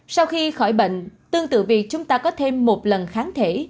sau khi khỏi bệnh tương tự việc chúng ta có thêm một lần kháng thể